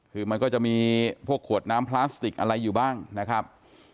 คือมันก็จะมีพวกขวดน้ำพลาสติกอะไรอยู่บ้างนะครับ